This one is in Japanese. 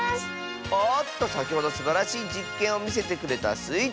おっとさきほどすばらしいじっけんをみせてくれたスイ